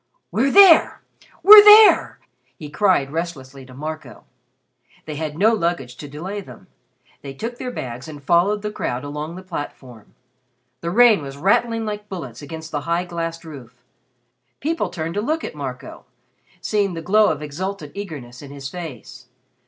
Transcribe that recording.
"We're there! We're there!" he cried restlessly to Marco. They had no luggage to delay them. They took their bags and followed the crowd along the platform. The rain was rattling like bullets against the high glassed roof. People turned to look at Marco, seeing the glow of exultant eagerness in his face.